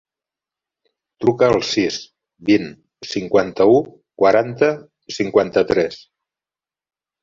Truca al sis, vint, cinquanta-u, quaranta, cinquanta-tres.